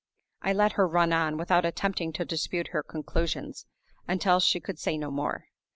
I let her run on, without attempting to dispute her conclusions, until she could say no more.